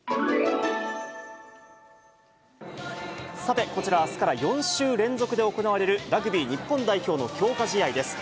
さて、こちらはあすから４週連続で行われる、ラグビー日本代表の強化試合です。